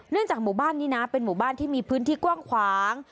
จากหมู่บ้านนี้นะเป็นหมู่บ้านที่มีพื้นที่กว้างขวาง